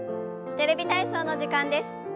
「テレビ体操」の時間です。